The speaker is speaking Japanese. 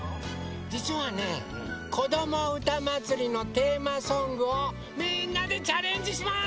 じつはね「こどもうたまつり」のテーマソングをみんなでチャレンジします！